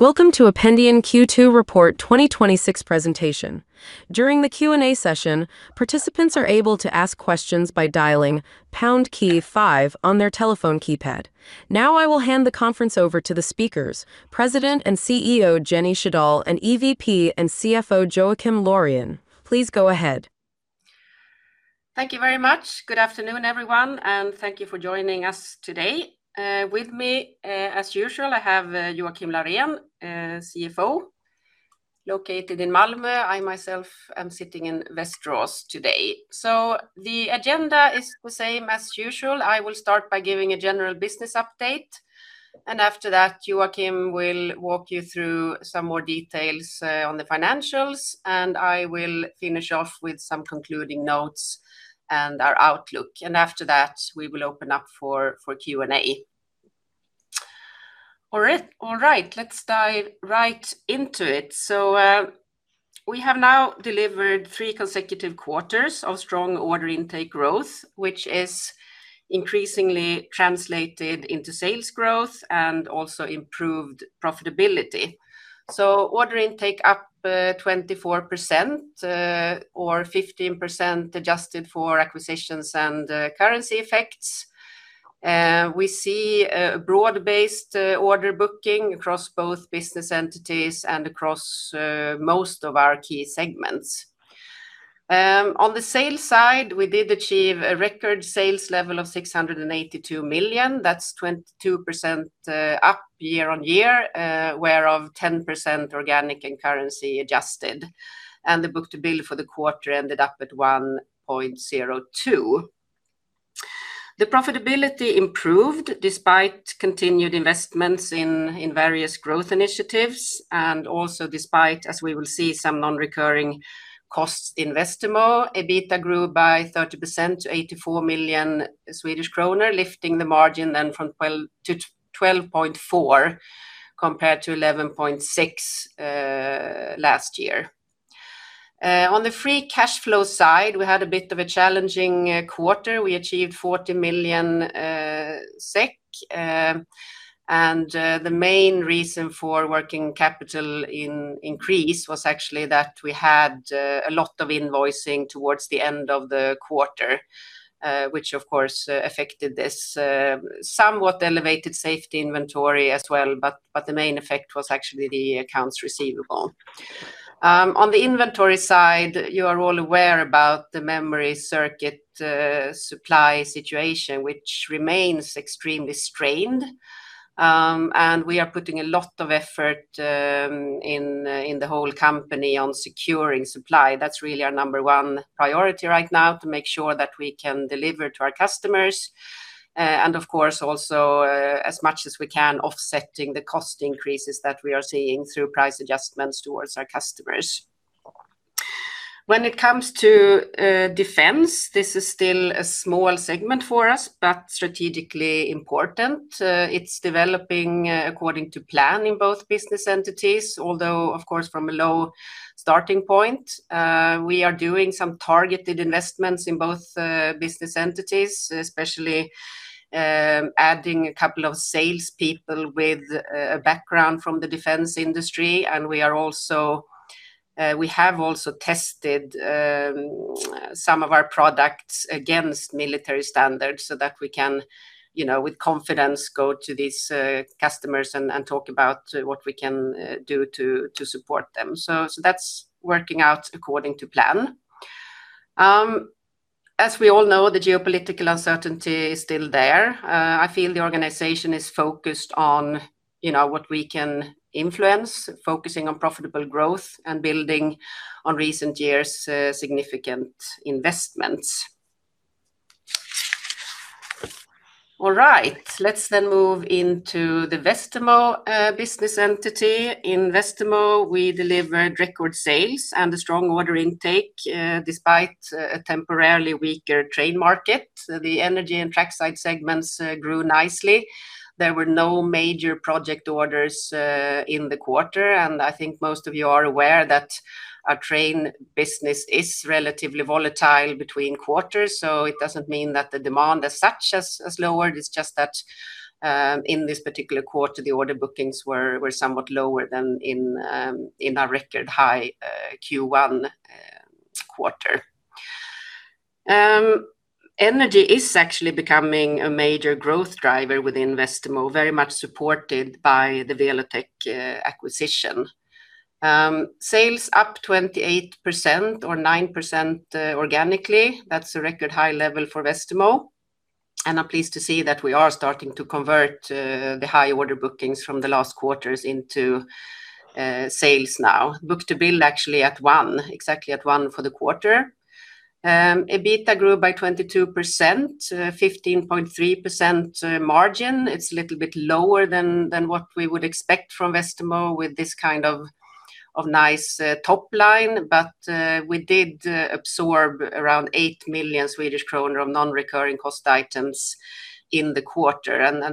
Welcome to Ependion Q2 Report 2026 presentation. During the Q&A session, participants are able to ask questions by dialing #5 on their telephone keypad. I will hand the conference over to the speakers, President and CEO, Jenny Sjödahl, and EVP and CFO, Joakim Laurén. Please go ahead. Thank you very much. Good afternoon, everyone, and thank you for joining us today. With me, as usual, I have Joakim Laurén, CFO, located in Malmö. I myself am sitting in Västerås today. The agenda is the same as usual. I will start by giving a general business update, after that, Joakim will walk you through some more details on the financials, and I will finish off with some concluding notes and our outlook. After that, we will open up for Q&A. All right. Let's dive right into it. We have now delivered three consecutive quarters of strong order intake growth, which is increasingly translated into sales growth and also improved profitability. Order intake up 24% or 15% adjusted for acquisitions and currency effects. We see a broad-based order booking across both business entities and across most of our key segments. On the sales side, we did achieve a record sales level of 682 million. That is 22% up year-on-year, whereof 10% organic and currency adjusted. The book-to-bill for the quarter ended up at 1.02. The profitability improved despite continued investments in various growth initiatives and also despite, as we will see, some non-recurring costs in Westermo. EBITA grew by 30% to 84 million Swedish kronor, lifting the margin then to 12.4% compared to 11.6% last year. On the free cash flow side, we had a bit of a challenging quarter. We achieved 40 million SEK, the main reason for working capital increase was actually that we had a lot of invoicing towards the end of the quarter, which of course affected this somewhat elevated safety inventory as well, but the main effect was actually the accounts receivable. On the inventory side, you are all aware about the memory circuit supply situation, which remains extremely strained. We are putting a lot of effort in the whole company on securing supply. That is really our number 1 priority right now to make sure that we can deliver to our customers. Of course, also, as much as we can, offsetting the cost increases that we are seeing through price adjustments towards our customers. When it comes to defense, this is still a small segment for us, but strategically important. It is developing according to plan in both business entities, although of course from a low starting point. We are doing some targeted investments in both business entities, especially adding a couple of salespeople with a background from the defense industry. We have also tested some of our products against military standards so that we can, with confidence, go to these customers and talk about what we can do to support them. That's working out according to plan. As we all know, the geopolitical uncertainty is still there. I feel the organization is focused on what we can influence, focusing on profitable growth and building on recent years' significant investments. All right. Let's move into the Westermo business entity. In Westermo, we delivered record sales and a strong order intake, despite a temporarily weaker train market. The energy and trackside segments grew nicely. There were no major project orders in the quarter, and I think most of you are aware that our train business is relatively volatile between quarters. It doesn't mean that the demand as such has lowered. It's just that in this particular quarter, the order bookings were somewhat lower than in our record high Q1 quarter. Energy is actually becoming a major growth driver within Westermo, very much supported by the Welotec acquisition. Sales up 28% or 9% organically. That's a record high level for Westermo. I'm pleased to see that we are starting to convert the high order bookings from the last quarters into sales now. Book-to-bill actually at one, exactly at one for the quarter. EBITA grew by 22%, 15.3% margin. It's a little bit lower than what we would expect from Westermo with this kind of nice top line, but we did absorb around 8 million Swedish kronor of non-recurring cost items in the quarter.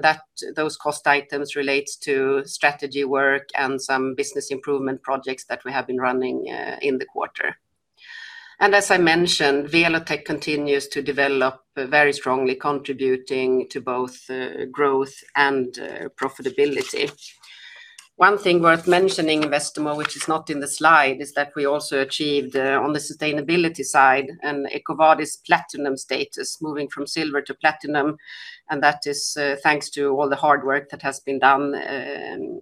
Those cost items relate to strategy work and some business improvement projects that we have been running in the quarter. As I mentioned, Welotec continues to develop very strongly, contributing to both growth and profitability. One thing worth mentioning, Westermo, which is not in the slide, is that we also achieved on the sustainability side an EcoVadis platinum status, moving from silver to platinum. That is thanks to all the hard work that has been done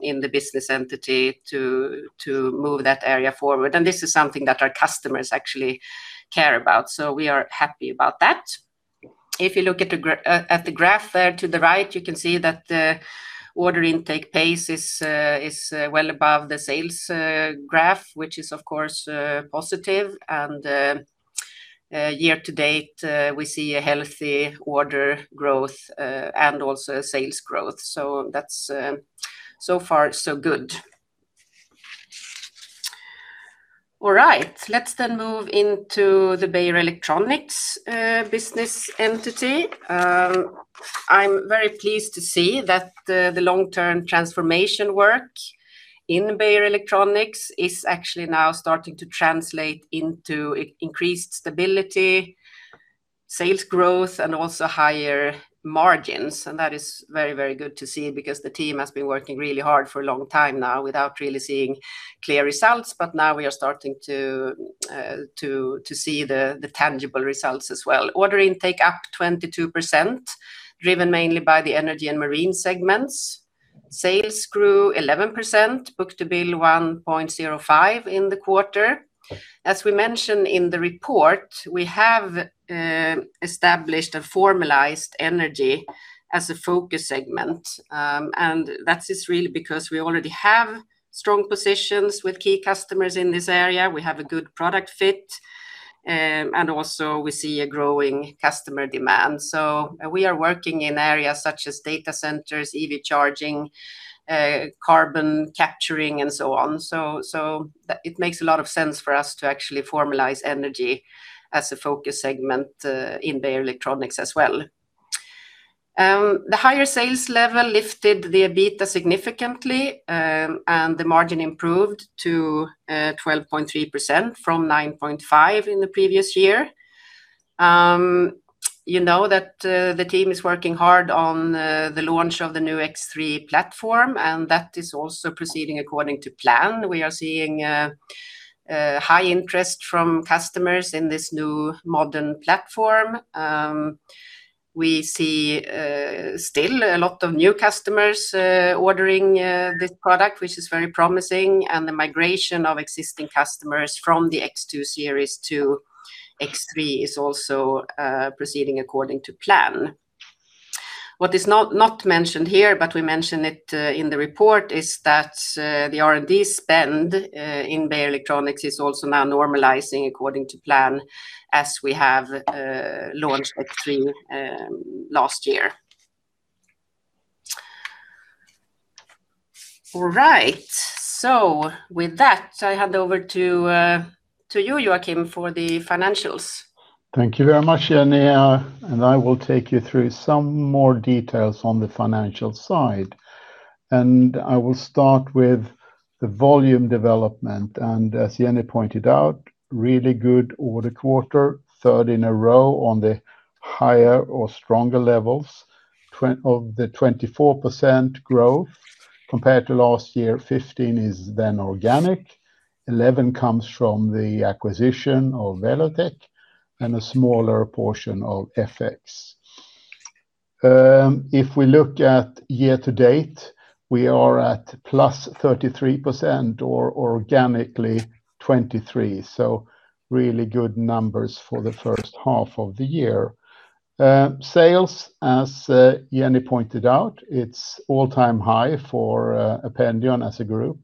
in the business entity to move that area forward. This is something that our customers actually care about. We are happy about that. If you look at the graph there to the right, you can see that the order intake pace is well above the sales graph, which is, of course, positive. Year to date, we see a healthy order growth and also sales growth. That's so far so good. All right. Let's move into the Beijer Electronics business entity. I'm very pleased to see that the long-term transformation work in Beijer Electronics is actually now starting to translate into increased stability, sales growth, and also higher margins. That is very good to see because the team has been working really hard for a long time now without really seeing clear results, but now we are starting to see the tangible results as well. Order intake up 22%, driven mainly by the energy and marine segments. Sales grew 11%, book-to-bill 1.05 in the quarter. As we mentioned in the report, we have established a formalized energy as a focus segment. That is really because we already have strong positions with key customers in this area. We have a good product fit, and also we see a growing customer demand. We are working in areas such as data centers, EV charging, carbon capturing, and so on. It makes a lot of sense for us to actually formalize energy as a focus segment in Beijer Electronics as well. The higher sales level lifted the EBITA significantly, and the margin improved to 12.3% from 9.5% in the previous year. You know that the team is working hard on the launch of the new X3 platform, and that is also proceeding according to plan. We are seeing a high interest from customers in this new modern platform. We see still a lot of new customers ordering this product, which is very promising, and the migration of existing customers from the X2 series to X3 is also proceeding according to plan. What is not mentioned here, but we mentioned it in the report, is that the R&D spend in Beijer Electronics is also now normalizing according to plan as we have launched X3 last year. All right. With that, I hand over to you, Joakim, for the financials. Thank you very much, Jenny. I will take you through some more details on the financial side. I will start with the volume development. As Jenny pointed out, really good order quarter, third in a row on the higher or stronger levels. Of the 24% growth compared to last year, 15% is organic, 11% comes from the acquisition of Welotec, and a smaller portion of FX. If we look at year to date, we are at +33% or organically +23%, so really good numbers for the first half of the year. Sales, as Jenny pointed out, it's all-time high for Ependion as a group,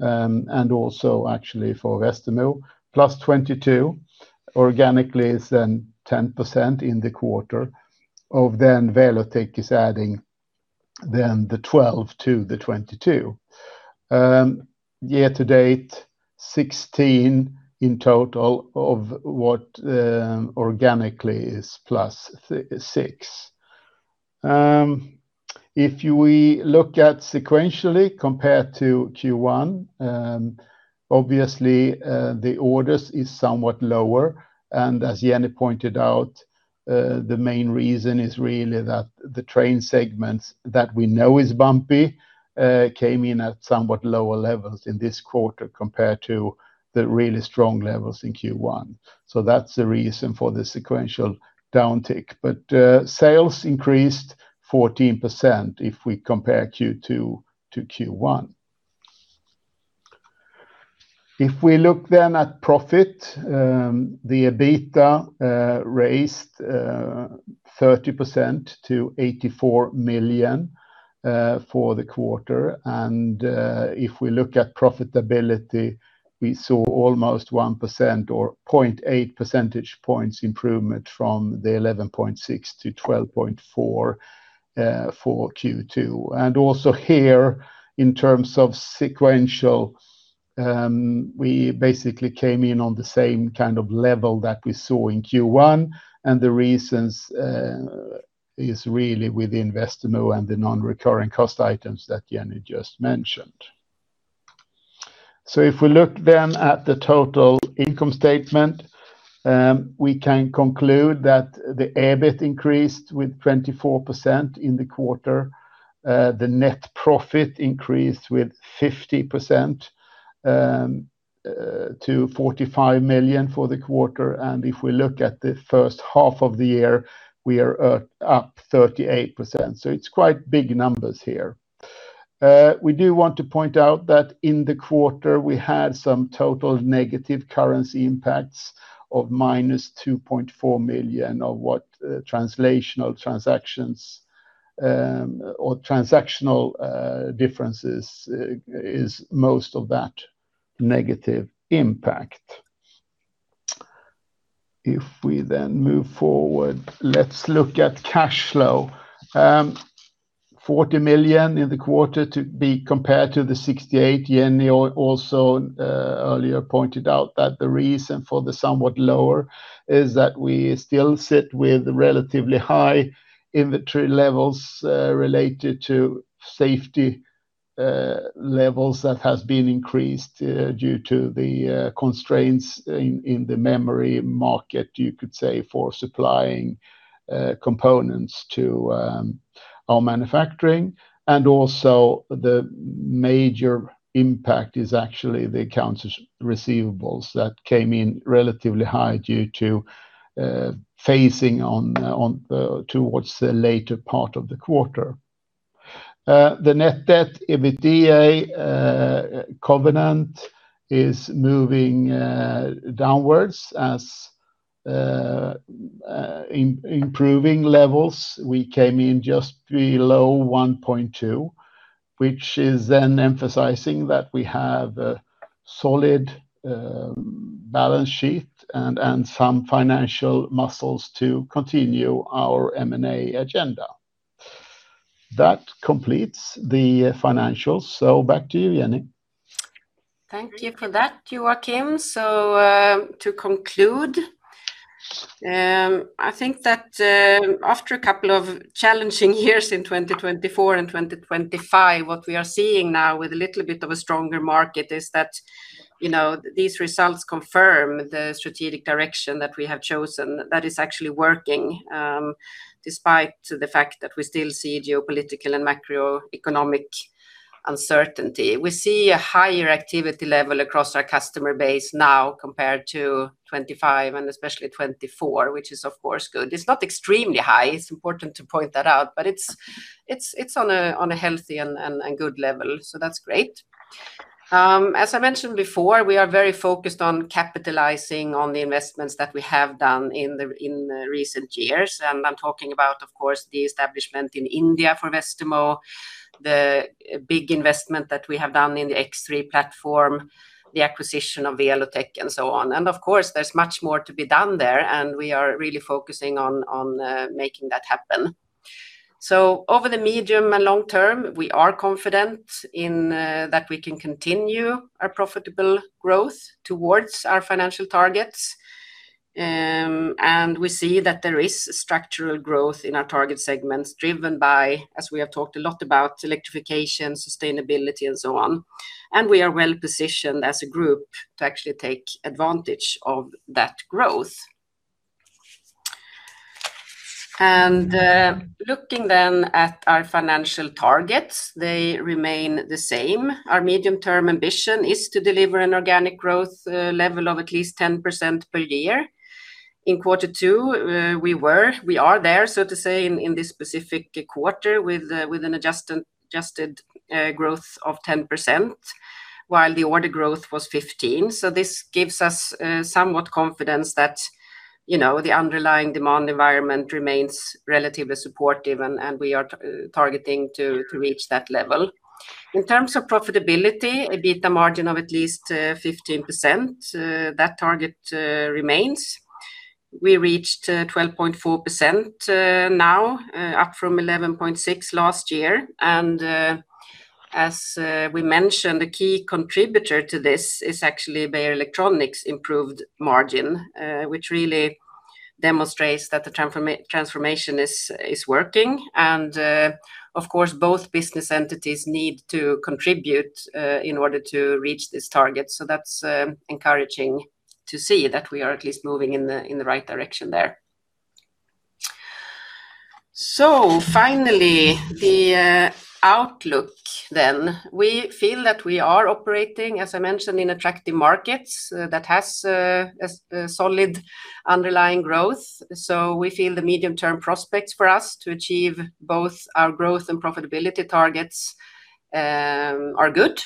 and also actually for Westermo, +22% organically is 10% in the quarter, of which Welotec is adding 12% to the 22%. Year to date, 16% in total of what organically is +6%. If we look at sequentially compared to Q1, obviously, orders are somewhat lower. As Jenny pointed out, the main reason is really that the train segments that we know are bumpy, came in at somewhat lower levels in this quarter compared to the really strong levels in Q1. That's the reason for the sequential downtick. But sales increased 14% if we compare Q2 to Q1. If we look then at profit, the EBITA, rose 30% to 84 million for the quarter. If we look at profitability, we saw almost 1% or 0.8 percentage points improvement from the 11.6% to 12.4% for Q2. Also here, in terms of sequential, we basically came in on the same kind of level that we saw in Q1. The reasons, is really within Westermo and the non-recurring cost items that Jenny just mentioned. If we look then at the total income statement, we can conclude that the EBIT increased with 24% in the quarter. The net profit increased with 50% to 45 million for the quarter. If we look at the first half of the year, we are up 38%. It's quite big numbers here. We do want to point out that in the quarter we had some total negative currency impacts of -2.4 million of what translational transactions or transactional differences is most of that negative impact. If we then move forward, let's look at cash flow. 40 million in the quarter to be compared to the SEK 68. Jenny also earlier pointed out that the reason for the somewhat lower is that we still sit with relatively high inventory levels related to safety levels that has been increased due to the constraints in the memory market, you could say, for supplying components to our manufacturing. Also the major impact is actually the accounts receivables that came in relatively high due to phasing towards the later part of the quarter. The net debt EBITA covenant is moving downwards as improving levels. We came in just below 1.2, which is then emphasizing that we have a solid balance sheet and some financial muscles to continue our M&A agenda. That completes the financials. Back to you, Jenny. Thank you for that, Joakim. To conclude, I think that after a couple of challenging years in 2024 and 2025, what we are seeing now with a little bit of a stronger market is that these results confirm the strategic direction that we have chosen that is actually working, despite the fact that we still see geopolitical and macroeconomic uncertainty. We see a higher activity level across our customer base now compared to 2025 and especially 2024, which is of course good. It's not extremely high, it's important to point that out, but it's on a healthy and good level, so that's great. As I mentioned before, we are very focused on capitalizing on the investments that we have done in recent years, and I'm talking about, of course, the establishment in India for Westermo, the big investment that we have done in the X3 platform, the acquisition of Welotec, and so on. Of course, there's much more to be done there, and we are really focusing on making that happen. Over the medium and long term, we are confident that we can continue our profitable growth towards our financial targets. We see that there is structural growth in our target segments driven by, as we have talked a lot about, electrification, sustainability, and so on. We are well-positioned as a group to actually take advantage of that growth. Looking then at our financial targets, they remain the same. Our medium-term ambition is to deliver an organic growth level of at least 10% per year. In quarter two, we are there, so to say, in this specific quarter with an adjusted growth of 10%, while the order growth was 15%. This gives us somewhat confidence that the underlying demand environment remains relatively supportive and we are targeting to reach that level. In terms of profitability, EBITA margin of at least 15%. That target remains. We reached 12.4% now, up from 11.6% last year. As we mentioned, a key contributor to this is actually Beijer Electronics' improved margin, which really demonstrates that the transformation is working. Of course, both business entities need to contribute in order to reach this target. That's encouraging to see that we are at least moving in the right direction there. Finally, the outlook then. We feel that we are operating, as I mentioned, in attractive markets that has a solid underlying growth. We feel the medium-term prospects for us to achieve both our growth and profitability targets are good.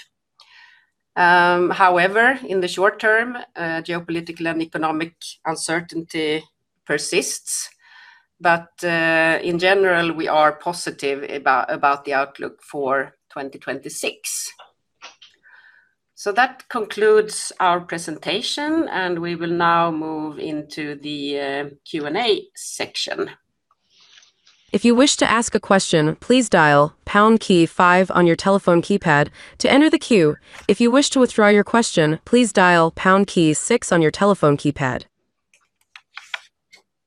However, in the short term, geopolitical and economic uncertainty persists. In general, we are positive about the outlook for 2026. That concludes our presentation, and we will now move into the Q&A section. If you wish to ask a question, please dial pound key five on your telephone keypad to enter the queue. If you wish to withdraw your question, please dial pound key six on your telephone keypad.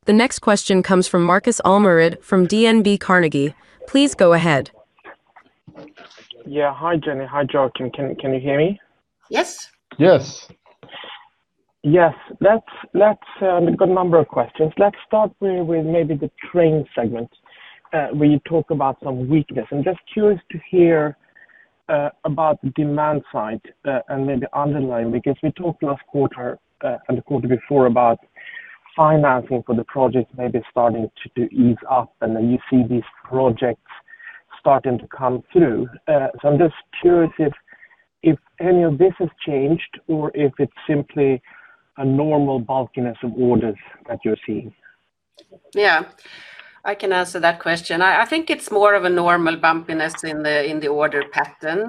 The next question comes from Markus Almerud from DNB Carnegie. Please go ahead. Yeah. Hi, Jenny. Hi, Joakim. Can you hear me? Yes. Yes. Yes. I've got a number of questions. Let's start with maybe the train segment, where you talk about some weakness. I'm just curious to hear about the demand side, and maybe underline, because we talked last quarter and the quarter before about financing for the projects maybe starting to ease up, and then you see these projects starting to come through. I'm just curious if any of this has changed or if it's simply a normal bulkiness of orders that you're seeing. Yeah. I can answer that question. I think it's more of a normal bumpiness in the order pattern.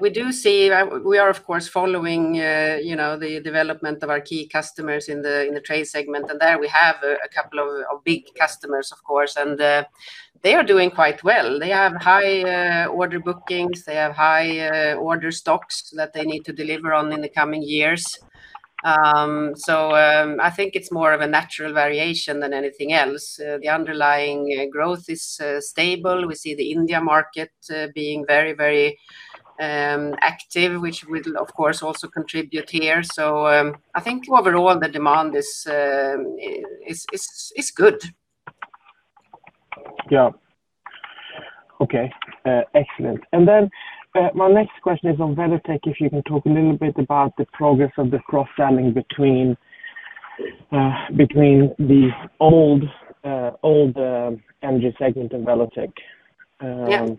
We are, of course, following the development of our key customers in the train segment, and there we have a couple of big customers, of course, and they are doing quite well. They have high order bookings. They have high order stocks that they need to deliver on in the coming years. I think it's more of a natural variation than anything else. The underlying growth is stable. We see the India market being very active, which will, of course, also contribute here. I think overall, the demand is good. Yeah. Okay. Excellent. My next question is on Welotec, if you can talk a little bit about the progress of the cross-selling between the old energy segment and Welotec. Yeah.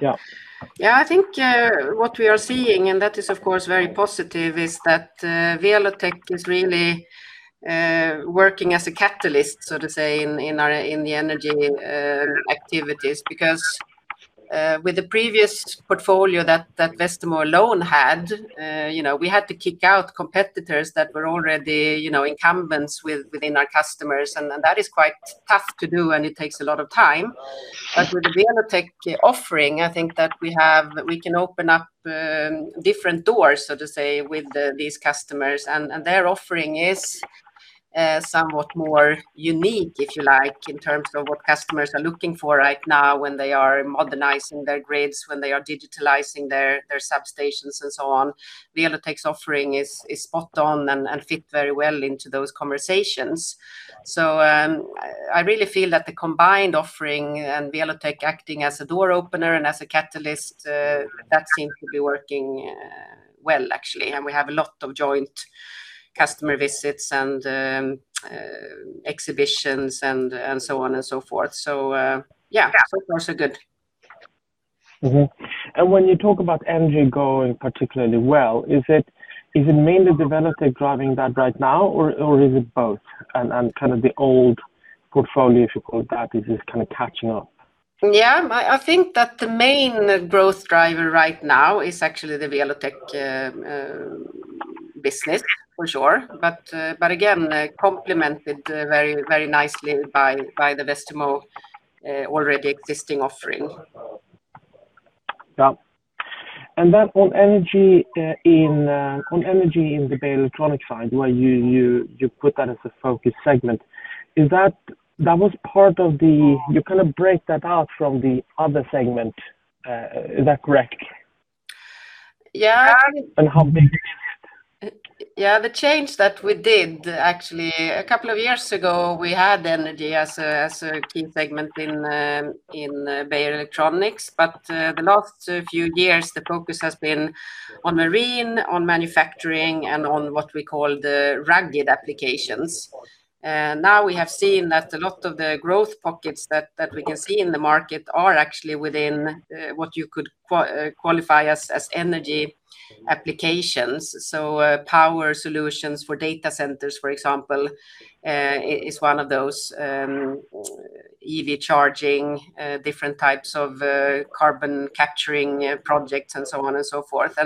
Yeah. Yeah, I think what we are seeing, and that is of course, very positive, is that Welotec is really working as a catalyst, so to say, in the energy activities. Because, with the previous portfolio that Westermo alone had, we had to kick out competitors that were already incumbents within our customers, and that is quite tough to do, and it takes a lot of time. With the Welotec offering, I think that we can open up different doors, so to say, with these customers, and their offering is somewhat more unique, if you like, in terms of what customers are looking for right now when they are modernizing their grids, when they are digitalizing their substations and so on. Welotec's offering is spot on and fit very well into those conversations. I really feel that the combined offering and Welotec acting as a door opener and as a catalyst, that seems to be working well, actually. We have a lot of joint customer visits and exhibitions and so on and so forth. Yeah, so far, so good. When you talk about energy going particularly well, is it mainly Welotec driving that right now, or is it both, and kind of the old portfolio, if you call it that, is just kind of catching up? Yeah, I think that the main growth driver right now is actually the Welotec business for sure. Again, complemented very nicely by the Westermo already existing offering. Yeah. Then on energy in the Beijer Electronics side, where you put that as a focus segment, you kind of break that out from the other segment. Is that correct? Yeah. How big is it? Yeah, the change that we did, actually, a couple of years ago, we had energy as a key segment in Beijer Electronics. The last few years, the focus has been on marine, on manufacturing, and on what we call the rugged applications. We have seen that a lot of the growth pockets that we can see in the market are actually within what you could qualify as energy applications. Power solutions for data centers, for example, is one of those, EV charging, different types of carbon-capturing projects, and so on and so forth.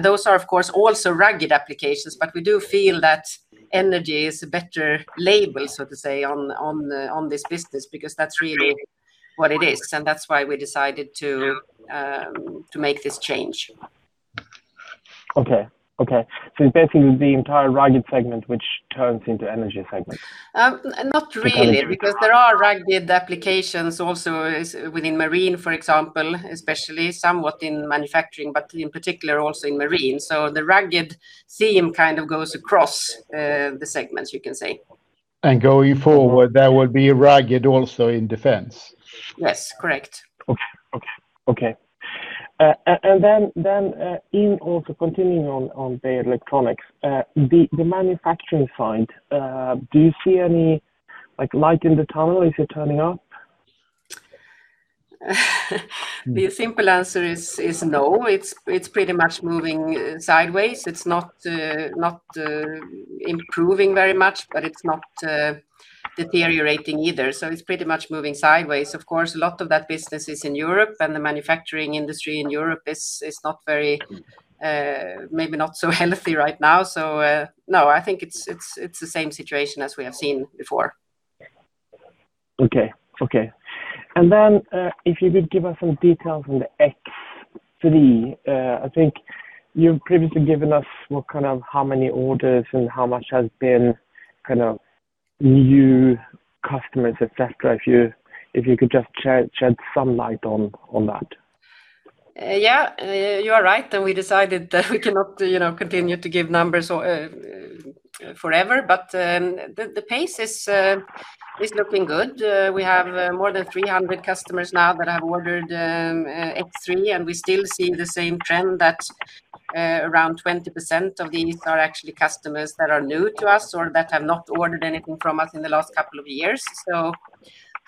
Those are, of course, also rugged applications, but we do feel that energy is a better label, so to say, on this business, because that's really what it is, and that's why we decided to make this change. Okay. It's basically the entire rugged segment which turns into energy segment? Not really, because there are rugged applications also within marine, for example, especially somewhat in manufacturing, but in particular also in marine. The rugged theme kind of goes across the segments, you can say. Going forward, that would be rugged also in defense. Yes, correct. Okay. Also continuing on Beijer Electronics, the manufacturing side, do you see any light in the tunnel, if you're turning up? The simple answer is no. It's pretty much moving sideways. It's not improving very much, but it's not deteriorating either, so it's pretty much moving sideways. Of course, a lot of that business is in Europe, and the manufacturing industry in Europe is maybe not so healthy right now. No, I think it's the same situation as we have seen before. Okay. If you could give us some details on the X3. I think you've previously given us how many orders and how much has been new customers, et cetera. If you could just shed some light on that. Yeah, you are right. We decided that we cannot continue to give numbers forever. The pace is looking good. We have more than 300 customers now that have ordered X3, and we still see the same trend that around 20% of these are actually customers that are new to us or that have not ordered anything from us in the last couple of years.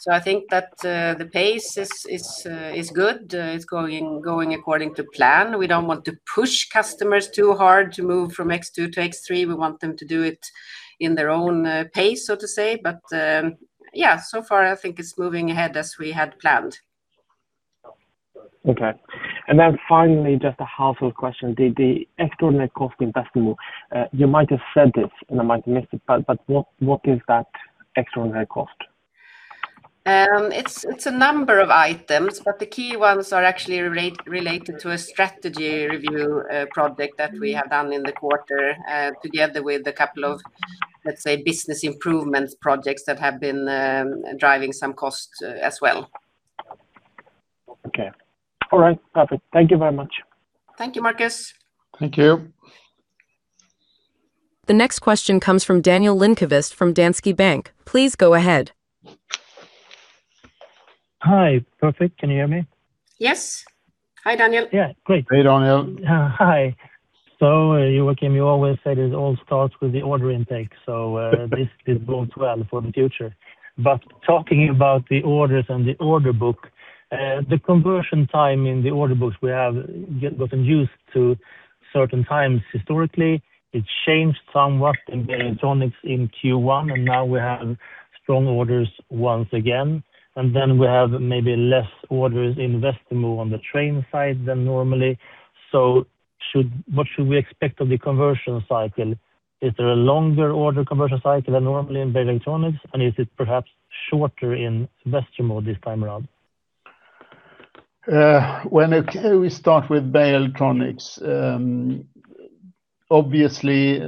I think that the pace is good. It's going according to plan. We don't want to push customers too hard to move from X2 to X3. We want them to do it in their own pace, so to say. Yeah, so far I think it's moving ahead as we had planned. Okay. Finally, just a household question. The extraordinary cost in Westermo, you might have said this and I might have missed it, but what is that extraordinary cost? It's a number of items, but the key ones are actually related to a strategy review project that we have done in the quarter, together with a couple of, let's say, business improvement projects that have been driving some costs as well. Okay. All right. Perfect. Thank you very much. Thank you, Markus. Thank you. The next question comes from Daniel Lindkvist from Danske Bank. Please go ahead. Hi. Perfect. Can you hear me? Yes. Hi, Daniel. Yeah, great. Hey, Daniel. Hi. Joakim, you always say it all starts with the order intake, this bodes well for the future. Talking about the orders and the order book, the conversion time in the order books, we have gotten used to certain times historically. It changed somewhat in Beijer Electronics in Q1, now we have strong orders once again. Then we have maybe less orders in Westermo on the train side than normally. What should we expect of the conversion cycle? Is there a longer order conversion cycle than normally in Beijer Electronics? Is it perhaps shorter in Westermo this time around? When we start with Beijer Electronics, obviously,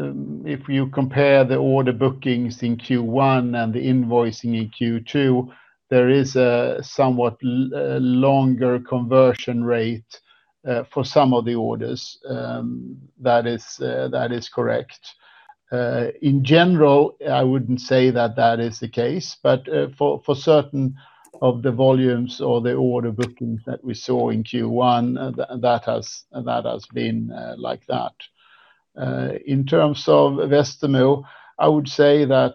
if you compare the order bookings in Q1 and the invoicing in Q2, there is a somewhat longer conversion rate for some of the orders. That is correct. In general, I wouldn't say that is the case, but for certain of the volumes or the order bookings that we saw in Q1, that has been like that. In terms of Westermo, I would say that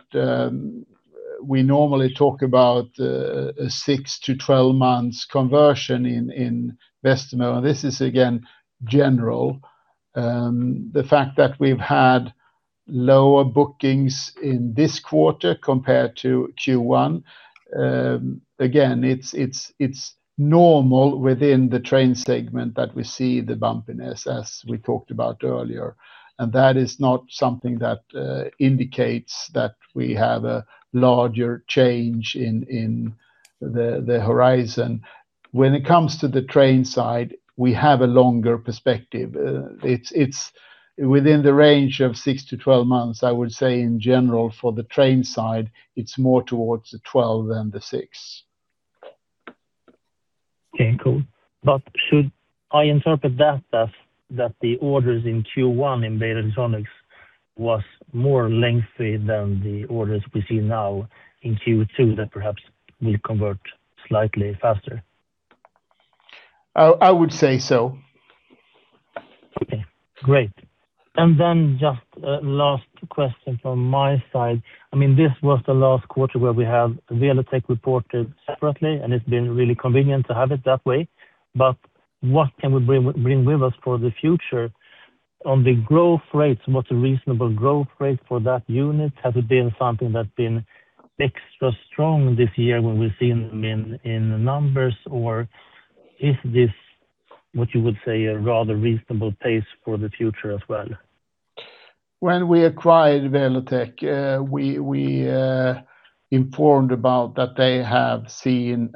we normally talk about a six to 12 months conversion in Westermo. This is again, general. The fact that we've had lower bookings in this quarter compared to Q1, again, it's normal within the train segment that we see the bumpiness as we talked about earlier. That is not something that indicates that we have a larger change in the horizon. When it comes to the train side, we have a longer perspective. It's within the range of 6-12 months, I would say in general for the train side, it's more towards the 12 than the six. Okay, cool. Should I interpret that as that the orders in Q1 in Beijer Electronics was more lengthy than the orders we see now in Q2 that perhaps will convert slightly faster? I would say so. Okay, great. Just a last question from my side. This was the last quarter where we have Welotec reported separately, and it's been really convenient to have it that way. What can we bring with us for the future? On the growth rates, what's a reasonable growth rate for that unit? Has it been something that's been extra strong this year when we've seen them in numbers? Or is this what you would say, a rather reasonable pace for the future as well? When we acquired Welotec, we informed about that they have seen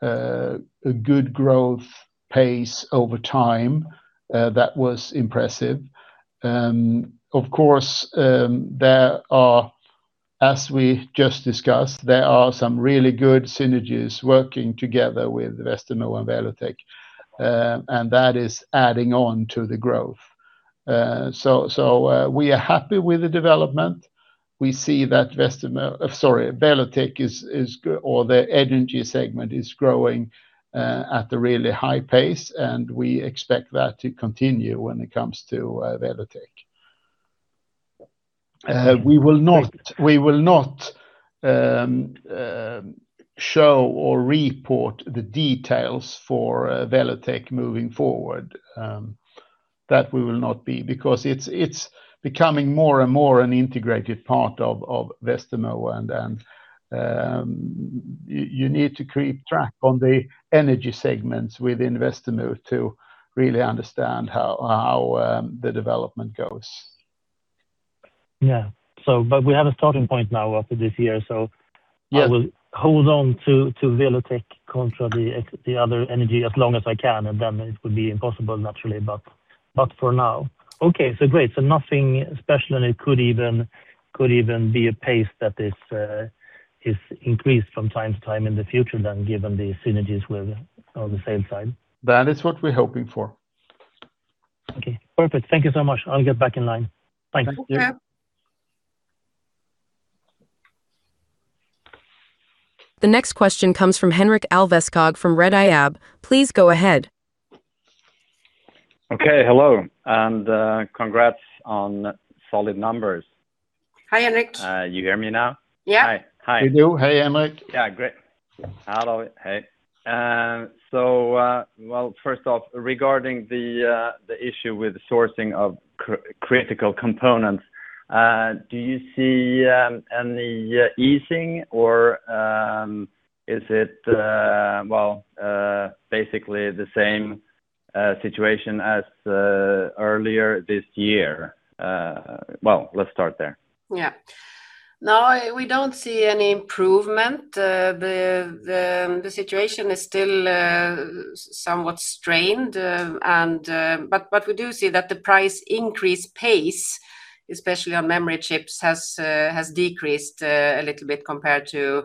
a good growth pace over time. That was impressive. Of course, as we just discussed, there are some really good synergies working together with Westermo and Welotec, and that is adding on to the growth. We are happy with the development. We see that Welotec or the energy segment is growing at a really high pace, and we expect that to continue when it comes to Welotec. We will not show or report the details for Welotec moving forward. That we will not be, because it's becoming more and more an integrated part of Westermo, and you need to keep track on the energy segments within Westermo to really understand how the development goes. Yeah. We have a starting point now after this year. Yes. I will hold on to Welotec contra the other energy as long as I can. Then it will be impossible, naturally. For now. Okay, great. Nothing special, and it could even be a pace that is increased from time to time in the future then, given the synergies on the sales side. That is what we're hoping for. Okay, perfect. Thank you so much. I'll get back in line. Thanks. Thank you. Okay. The next question comes from Henrik Alveskog from Redeye AB. Please go ahead. Okay. Hello, and congrats on solid numbers. Hi, Henrik. You hear me now? Yeah. Hi. We do. Hey, Henrik. Yeah, great. Hello. Hey. First off, regarding the issue with sourcing of critical components, do you see any easing or is it basically the same situation as earlier this year? Well, let's start there. Yeah. No, we don't see any improvement. The situation is still somewhat strained. We do see that the price increase pace, especially on memory chips, has decreased a little bit compared to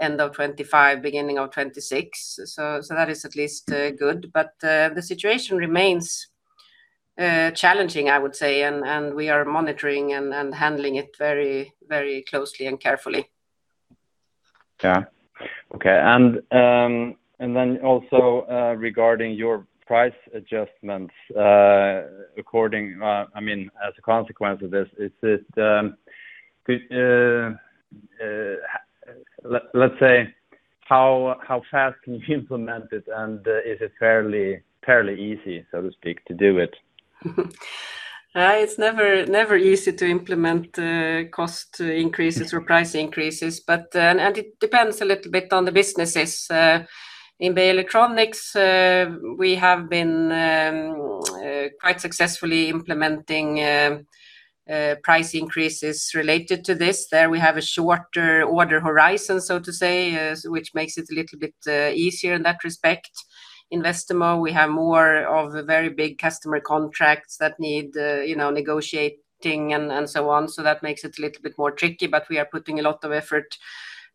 end of 2025, beginning of 2026. That is at least good. The situation remains challenging, I would say, and we are monitoring and handling it very closely and carefully. Yeah. Okay. Also regarding your price adjustments as a consequence of this, let's say, how fast can you implement it, and is it fairly easy, so to speak, to do it? It's never easy to implement cost increases or price increases. It depends a little bit on the businesses. In Beijer Electronics, we have been quite successfully implementing price increases related to this. There we have a shorter order horizon, so to say, which makes it a little bit easier in that respect. In Westermo, we have more of very big customer contracts that need negotiating and so on. That makes it a little bit trickier, but we are putting a lot of effort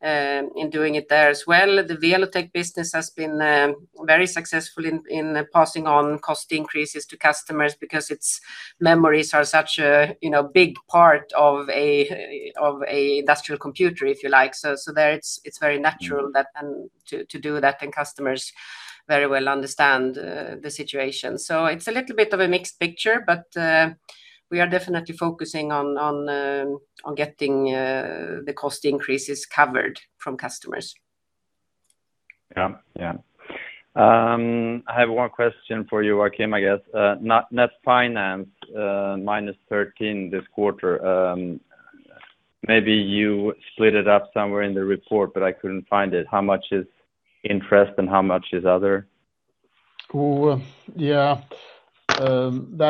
into doing it there as well. The Welotec business has been very successful in passing on cost increases to customers because memories are such a big part of an industrial computer, if you like. There it's very natural to do that, and customers very well understand the situation. It's a little bit of a mixed picture, but we are definitely focusing on getting the cost increases covered from customers. I have one question for you, Joakim, I guess. Net finance, -13 this quarter. Maybe you split it up somewhere in the report, but I couldn't find it. How much is interest and how much is other? That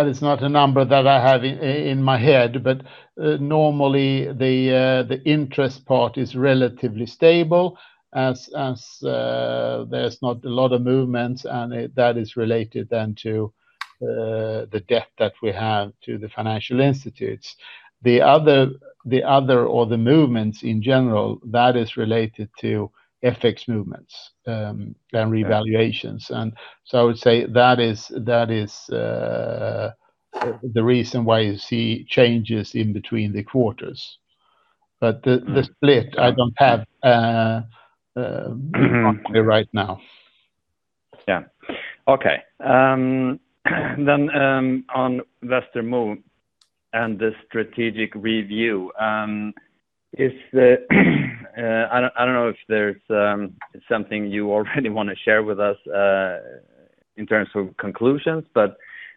is not a number that I have in my head. Normally, the interest part is relatively stable, as there's not a lot of movements, and that is related then to the debt that we have to the financial institutes. The other, or the movements in general, that is related to FX movements and revaluations. I would say that is the reason why you see changes in between the quarters. The split I don't have right now. Yeah. Okay. On Westermo and the strategic review. I don't know if there's something you already want to share with us in terms of conclusions,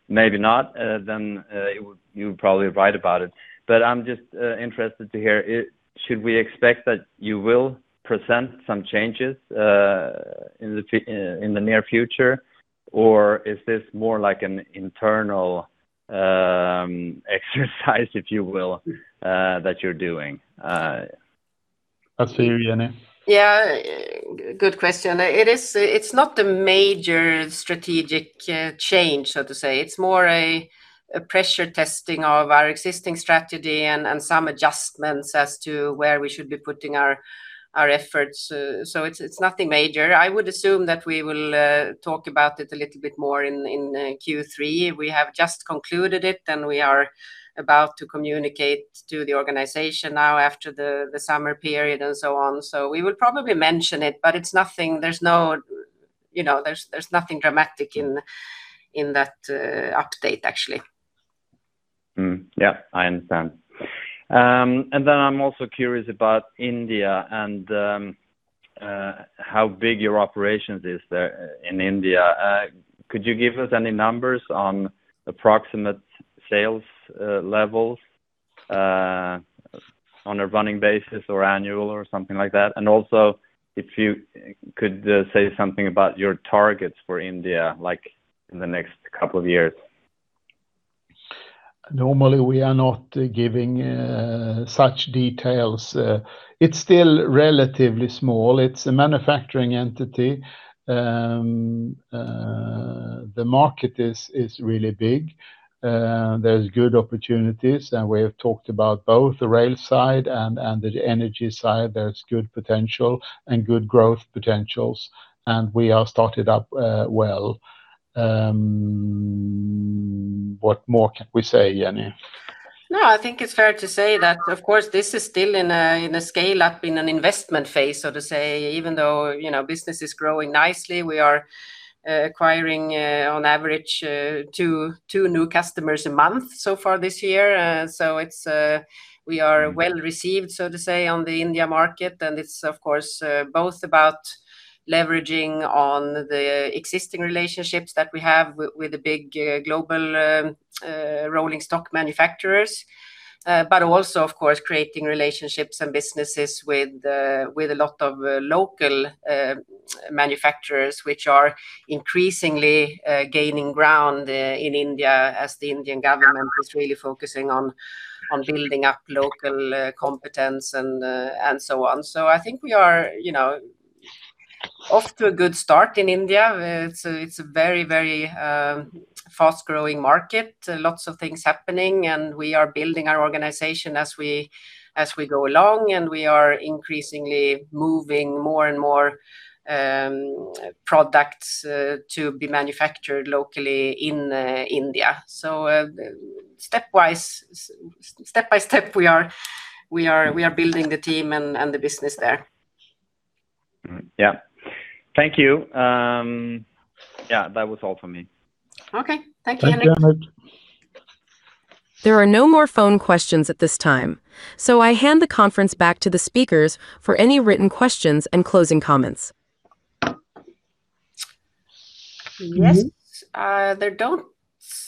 maybe not. You would probably write about it. I'm just interested to hear, should we expect that you will present some changes in the near future? Is this more like an internal exercise, if you will, that you're doing? That's for you, Jenny. Yeah. Good question. It's not a major strategic change, so to say. It's more a pressure testing of our existing strategy and some adjustments as to where we should be putting our efforts. It's nothing major. I would assume that we will talk about it a little bit more in Q3. We have just concluded it, we are about to communicate to the organization now after the summer period and so on. We will probably mention it, there's nothing dramatic in that update, actually. Yeah, I understand. I'm also curious about India and how big your operations are there in India. Could you give us any numbers on approximate sales levels? On a running basis or annual or something like that. Also if you could say something about your targets for India in the next couple of years. Normally we are not giving such details. It's still relatively small. It's a manufacturing entity. The market is really big. There's good opportunities, and we have talked about both the rail side and the energy side. There's good potential and good growth potentials, and we are started up well. What more can we say, Jenny? I think it's fair to say that, of course, this is still in a scale-up, in an investment phase, so to say. Even though business is growing nicely, we are acquiring on average two new customers a month so far this year. We are well-received, so to say, on the India market, and it's, of course, both about leveraging on the existing relationships that we have with the big global rolling stock manufacturers. Also, of course, creating relationships and businesses with a lot of local manufacturers, which are increasingly gaining ground in India as the Indian government is really focusing on building up local competence and so on. I think we are off to a good start in India. It's a very fast-growing market, lots of things happening, and we are building our organization as we go along, and we are increasingly moving more and more products to be manufactured locally in India. Step by step, we are building the team and the business there. All right. Yeah. Thank you. That was all for me. Okay. Thank you, Henrik. Thanks, Henrik. There are no more phone questions at this time, so I hand the conference back to the speakers for any written questions and closing comments. Yes.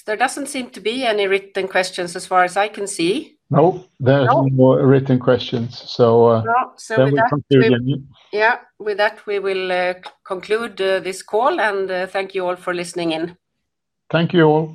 There doesn't seem to be any written questions as far as I can see. No. No. There are no more written questions. We conclude, Jenny. Yeah. With that, we will conclude this call, and thank you all for listening in. Thank you all.